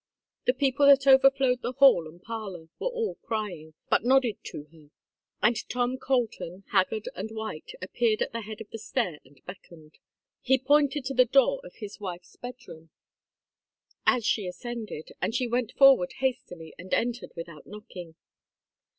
The people that overflowed the hall and parlor were all crying, but nodded to her, and Tom Colton, haggard and white, appeared at the head of the stair and beckoned. He pointed to the door of his wife's bedroom, as she ascended, and she went forward hastily and entered without knocking.